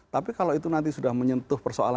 tapi kalau itu nanti sudah menyentuh persoalan